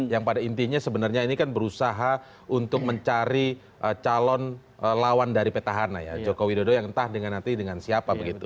yang pada intinya sebenarnya ini kan berusaha untuk mencari calon lawan dari petahana ya joko widodo yang entah dengan nanti dengan siapa begitu